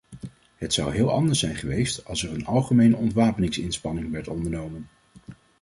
Het zou heel anders zijn geweest als er een algemene ontwapeningsinspanning werd ondernomen.